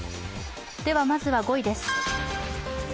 まずは５位です。